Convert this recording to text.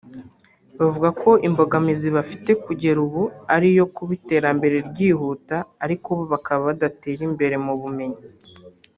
bavuga ko imbogamizi bafite kugera ubu ari iyo kuba iterambere ryihuta ariko bo bakaba badatera imbere mu bumenyi